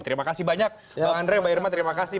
terima kasih banyak bang andre mbak irma terima kasih